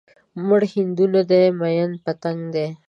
مړ هندو نه دی ميئن پتنګ دی